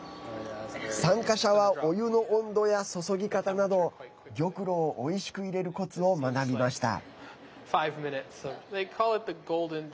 参加者はお湯の温度や注ぎ方など玉露をおいしくいれるコツを学びました。